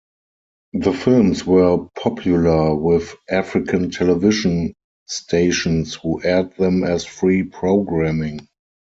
The films were popular with African television stations, who aired them as free programming.